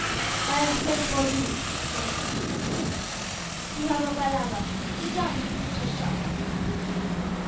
"I have send for you," began Big Chief with solemnity, "to have a palaver. Sit down, you Breetish tar."